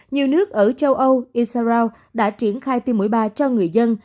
nhiều nước ở châu âu isara đã triển khai tiêm mũi ba cho người dân